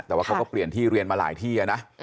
แต่ว่าเขาก็เปลี่ยนที่เรียนมาหลายที่นะ